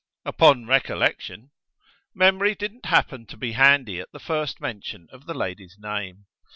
"Upon recollection!" "Memory didn't happen to be handy at the first mention of the lady's name.